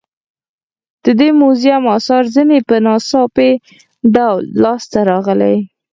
د دې موزیم اثار ځینې په ناڅاپي ډول لاس ته راغلي.